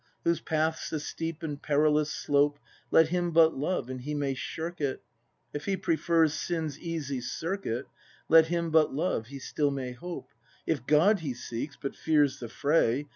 Whose path's the steep and perilous slope, Let him but love, — and he may shirk it; If he prefer Sin's easy circuit, Let him but love, — he still may hope; If God he seeks, but fears the fray.